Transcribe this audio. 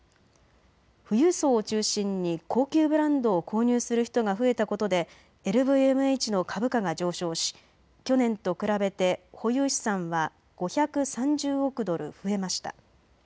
富裕層を中心に高級ブランドを購入する人が増えたことでＬＶＭＨの株価が上昇し去年と比べて保有資産は５３０億ドル増えました。